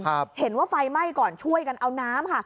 เห็นว่าไฟไหม้ก่อนช่วยกันเอาน้ำค่ะ